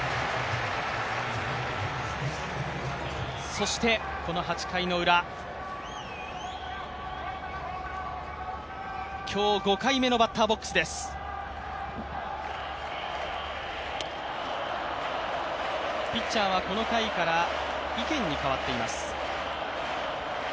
そしてこの８回のウラ、今日５回目のバッターボックスですピッチャーはこの回からイ・ケンに代わっています。